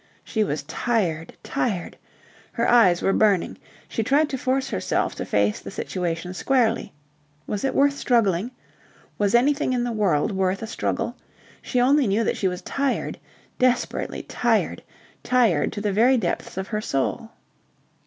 She was tired, tired. Her eyes were burning. She tried to force herself to face the situation squarely. Was it worth struggling? Was anything in the world worth a struggle? She only knew that she was tired, desperately tired, tired to the very depths of her soul.